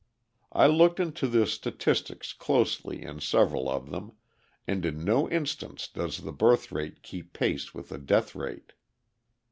I looked into the statistics closely in several of them, and in no instance does the birth rate keep pace with the death rate.